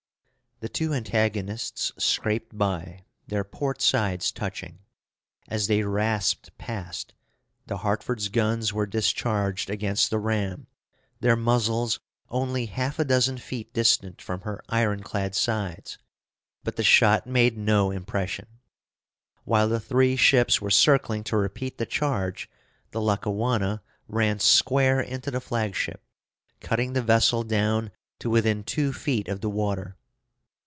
The two antagonists scraped by, their port sides touching. As they rasped past, the Hartford's guns were discharged against the ram, their muzzles only half a dozen feet distant from her iron clad sides; but the shot made no impression. While the three ships were circling to repeat the charge, the Lackawanna ran square into the flagship, cutting the vessel down to within two feet of the water.